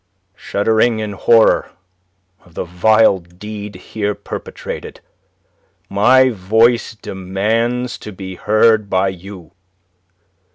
"Shuddering in horror of the vile deed here perpetrated, my voice demands to be heard by you.